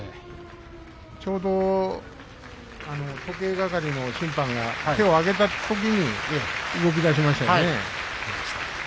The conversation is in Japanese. ちょうど時計係の審判が手を上げたときに動きだしましたね。